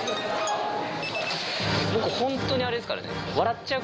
僕ホントにあれですからね。